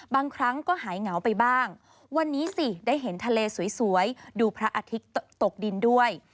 บางครั้งก็หายเหงาไปบ้างวันนี้สิได้เห็นทะเลสวยดูพระอาทิตย์ตกดินด้วย